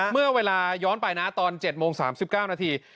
เมื่อเวลาย้อนไปนะตอน๗โมง๓๙นาที